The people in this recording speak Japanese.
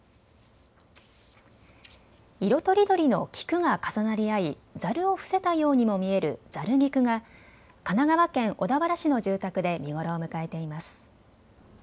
色とりどりの菊が重なり合いざるを伏せたようにも見えるざる菊が神奈川県小田原市の住宅で見頃を迎えています。